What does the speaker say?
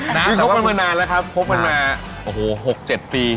นี่พบมันนานแล้วครับพบมันมาโอ้โห๖๗ปี